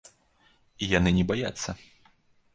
І яны не баяцца.